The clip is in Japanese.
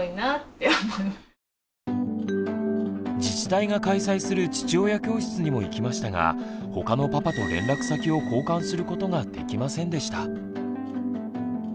自治体が開催する父親教室にも行きましたが他のパパと連絡先を交換することができませんでした。